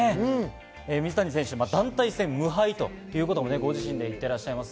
水谷選手、団体戦無敗ということもご自身でいってらっしゃいます。